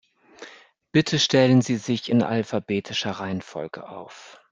Bitte stellen Sie sich in alphabetischer Reihenfolge auf.